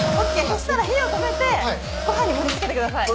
そしたら火を止めてご飯に盛り付けてください。